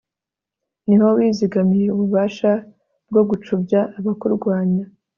ni ho wizigamiye ububasha bwo gucubya abakurwanya